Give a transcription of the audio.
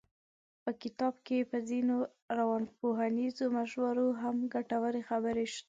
په کتاب کې په ځينو روانپوهنیزو مشورو هم ګټورې خبرې شته.